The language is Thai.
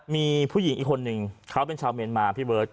มีผู้หญิงอีกคนนึงเขาเป็นชาวเมียนมาพี่เบิร์ต